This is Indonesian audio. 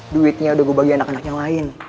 duitnya udah gue bagi anak anak yang lain